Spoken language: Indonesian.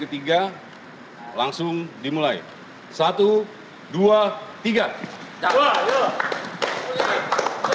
kita langsung mulai aja pakai ini ya